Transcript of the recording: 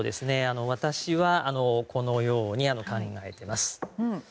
私はこのように考えています。